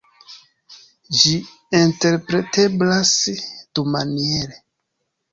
Ĝi interpreteblas dumaniere.